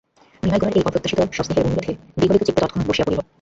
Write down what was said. বিনয় গোরার এই অপ্রত্যাশিত সস্নেহ অনুরোধে বিগলিতচিত্তে তৎক্ষণাৎ বসিয়া পড়িল।